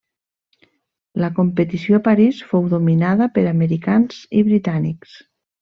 La competició a París fou dominada per americans i britànics.